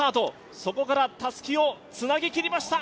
そこからたすきをつなぎきりました。